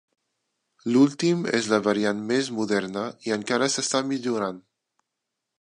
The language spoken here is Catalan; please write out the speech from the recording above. L'últim és la variant més moderna i encara s'està millorant.